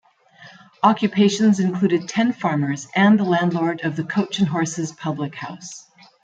Occupations included ten farmers and the landlord of the Coach and Horses public house.